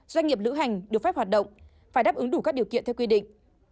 doanh nghiệp lữ hành được phép hoạt động phải đáp ứng đủ các điều kiện theo quy định